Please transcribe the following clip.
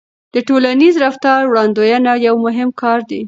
د ټولنیز رفتار وړاندوينه یو مهم کار دی.